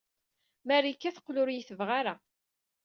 Marika teqqel ur iyi-tebɣi ara.